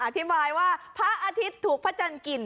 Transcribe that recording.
อธิบายว่าพระอาทิตย์ถูกพระจันทร์กิน